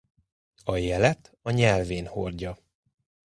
A jelet a nyelvén hordja.